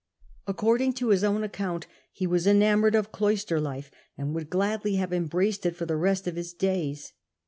According to his own account he was enamoured of cloister life, and would gladly have embraced it for the rest of his days.